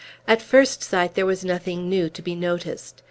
At first sight, there was nothing new to be noticed.